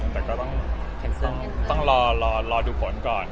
แต่ก็ต้องรอดูผลก่อน